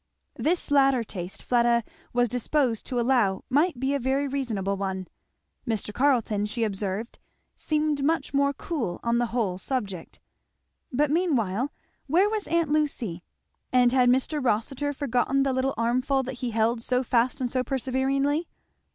This latter taste Fleda was disposed to allow might be a very reasonable one. Mr. Carleton, she observed, seemed much more cool on the whole subject. But meanwhile where was aunt Lucy? and had Mr. Rossitur forgotten the little armful that he held so fast and so perseveringly?